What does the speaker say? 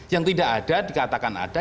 yang tidak ada dikatakan ada